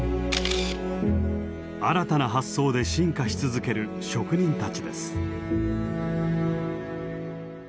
新たな発想で進化し続ける職人たちです。